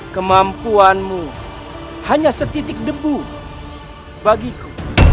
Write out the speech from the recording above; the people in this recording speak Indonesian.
kemampuanmu hanya setitik debu bagiku